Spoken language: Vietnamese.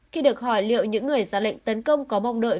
khi được hỏi liệu những người ra lệnh tấn công có mong đợi